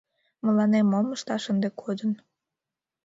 «Мыланем мом ышташ ынде кодын...»